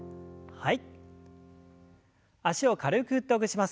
はい。